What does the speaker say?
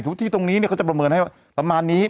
ที่ตรงนี้เขาจะประเมินให้ว่าประมาณนี้